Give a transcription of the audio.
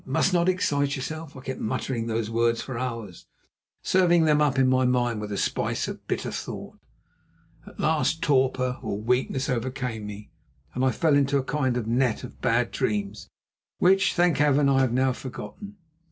Must not excite yourself." I kept muttering those words for hours, serving them up in my mind with a spice of bitter thought. At last torpor, or weakness, overcame me, and I fell into a kind of net of bad dreams which, thank Heaven! I have now forgotten.